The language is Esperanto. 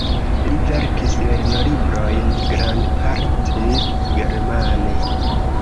Li verkis lernolibrojn grandparte germane.